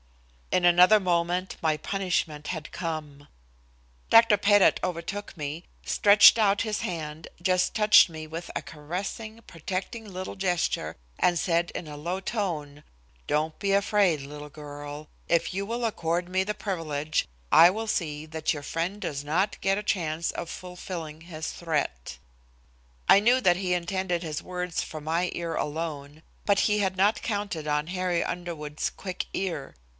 In another moment my punishment had come. Dr. Pettit overtook me, stretched out his hand, just touched me with a caressing, protecting little gesture, and said in a low tone, "Don't be afraid, little girl: If you will accord me the privilege, I will see that your friend does not get a chance of fulfilling his threat." I knew that he intended his words for my ear alone, but he had not counted on Harry Underwood's quick ear.